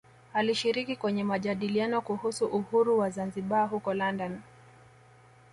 Alishiriki kwenye majadiliano kuhusu uhuru wa Zanzibar huko London